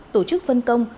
tổ chức phân công